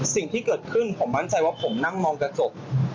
สิ่งที่เกิดขึ้นผมมั่นใจว่าผมนั่งมองกระจก